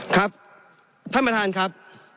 ครับท่านประธานครับ